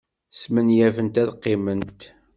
Smenyafent ad qqiment.